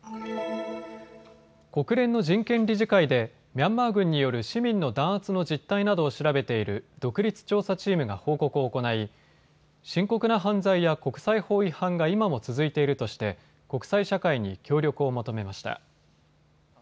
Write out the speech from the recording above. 国連の人権理事会でミャンマー軍による市民の弾圧の実態などを調べている独立調査チームが報告を行い深刻な犯罪や国際法違反が今も続いているとして国際社会に協力を求めました。